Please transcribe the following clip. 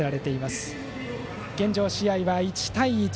現状、試合は１対１。